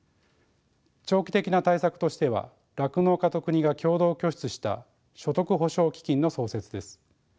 長期的な対策としては酪農家と国が共同拠出した所得補償基金の創設です。